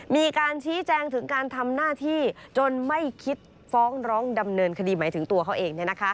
มีการชี้แจงถึงการทำหน้าที่จนไม่คิดฟ้องร้องดำเนินคดีหมายถึงตัวเขาเอง